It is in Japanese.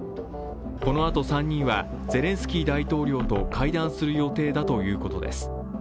このあと３人はゼレンスキー大統領と会談する予定だということです。